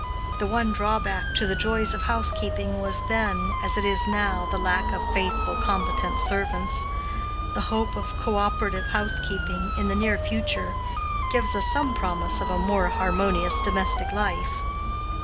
The one drawback to the joys of housekeeping was then, as it is now, the lack of faithful, competent servants. The hope of co operative housekeeping, in the near future, gives us some promise of a more harmonious domestic life.